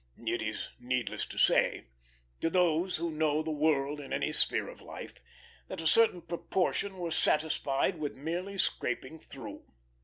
It is needless to say, to those who know the world in any sphere of life, that a certain proportion were satisfied with merely scraping through.